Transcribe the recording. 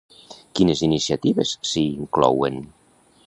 Quines iniciatives s'hi inclouen?